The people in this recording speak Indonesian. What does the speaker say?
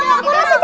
aku mau aku mau